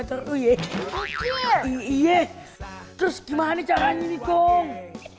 terus gimana caranya nih gong